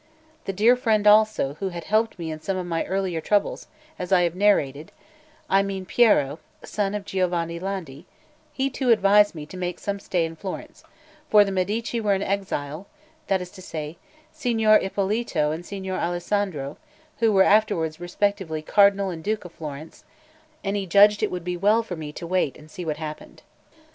The dear friend, also, who had helped me in some of my earlier troubles, as I have narrated (I mean Piero, son of Giovanni Landi) he too advised me to make some stay in Florence; for the Medici were in exile, that is to say, Signor Ippolito and Signor Alessandro, who were afterwards respectively Cardinal and Duke of Florence; and he judged it would be well for me to wait and see what happened.